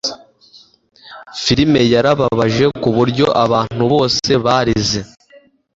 Filime yarababaje kuburyo abantu bose barize